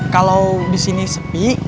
kalo disini sepi